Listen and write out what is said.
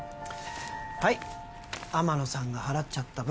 はい天野さんが払っちゃった